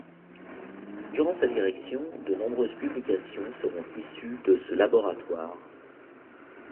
Durant sa direction, de nombreuses publications seront issues de ce laboratoire.